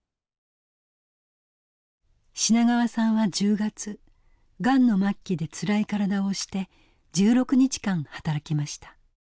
品川さんは１０月がんの末期でつらい体を押して１６日間働きました。